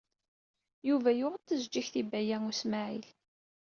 Yuba yuɣ-d tazeǧǧigt i Baya U Smaɛil.